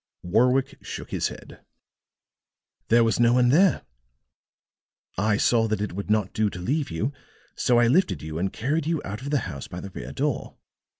Warwick shook his head. "There was no one there. I saw that it would not do to leave you, so I lifted you and carried you out of the house by the rear door.